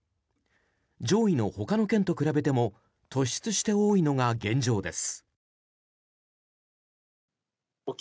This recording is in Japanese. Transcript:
上位のほかの県と比べても突出して多いのが現状です。